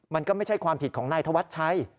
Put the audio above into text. มันก็ไม่ใช่ความผิดของนายธวัชชัย